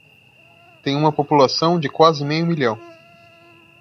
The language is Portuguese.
Tem uma população de quase meio milhão.